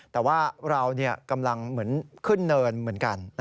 แต่ว่าเรากำลังเหมือนขึ้นเนินเหมือนกัน